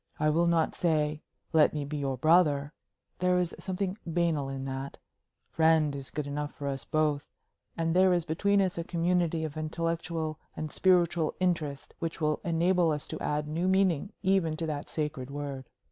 I will not say, let me be your brother; there is something banal in that; 'friend' is good enough for us both; and there is between us a community of intellectual and spiritual interest which will enable us to add new meaning even to that sacred word.